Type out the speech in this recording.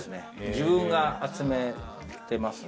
自分が集めてますね。